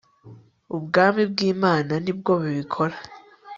ubwami bwimananibwo bubikora